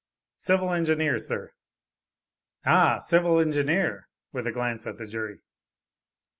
"Civil Engineer, sir." "Ah, civil engineer, (with a glance at the jury).